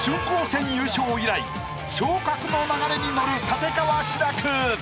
戦優勝以来昇格の流れに乗る立川志らく。